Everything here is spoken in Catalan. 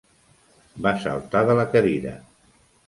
Va saltar de la cadira.